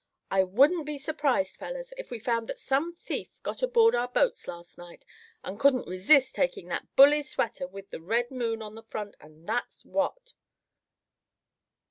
I wouldn't be surprised, fellers, if we found that some thief got aboard our boats last night, and couldn't resist taking that bully sweater with the red moon on the front; and that's what!"